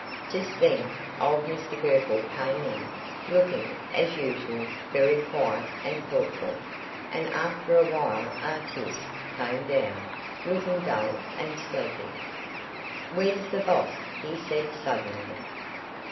Just then, old Mr Girtle came in, looking, as usual, very quiet and thoughtful; and after a while Artis came down, looking dull and sleepy. "Where's the boss?" he said, suddenly.